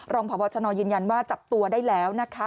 รองพบชนยืนยันว่าจับตัวได้แล้วนะคะ